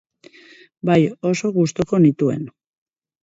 Bai, oso gustuko nituen.